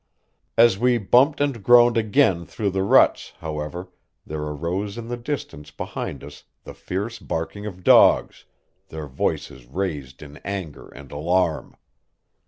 As we bumped and groaned again through the ruts, however, there arose in the distance behind us the fierce barking of dogs, their voices raised in anger and alarm.